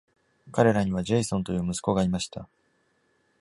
彼らにはジェイソンという息子がいました。